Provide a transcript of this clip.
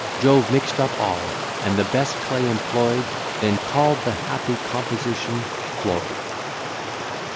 Jove mix'd up all, and the best clay employ'd; Then call'd the happy composition FLOYD.